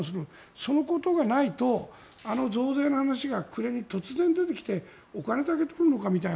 そのことがないとあの増税の話が暮れに突然、出てきてお金だけ取るのかみたいな。